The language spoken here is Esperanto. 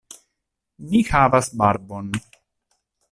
Ni havas barbon.